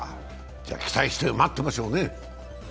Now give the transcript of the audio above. じゃあ、期待して待ってましょうね。